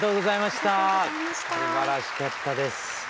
すばらしかったです。